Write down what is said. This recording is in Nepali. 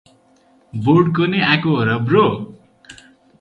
बोर्ड को नै आको हो र ब्रो?